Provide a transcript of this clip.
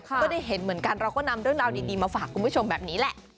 ก็ได้เห็นเหมือนกันเราก็นำเรื่องราวดีมาฝากคุณผู้ชมแบบนี้แหละ